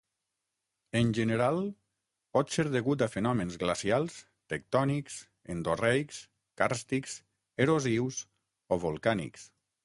En general, pot ser degut a fenòmens glacials, tectònics, endorreics, càrstics, erosius o volcànics.